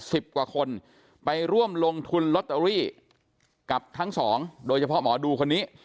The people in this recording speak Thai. สิบกว่าคนไปร่วมลงทุนลอตเตอรี่กับทั้งสองโดยเฉพาะหมอดูคนนี้